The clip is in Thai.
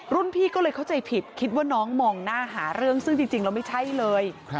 พี่ก็เลยเข้าใจผิดคิดว่าน้องมองหน้าหาเรื่องซึ่งจริงแล้วไม่ใช่เลย